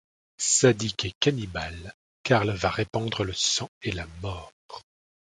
Sadique et cannibale, Karl va répandre le sang et la mort...